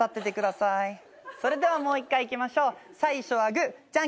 それではもう１回いきましょう最初はグーじゃんけんぽん。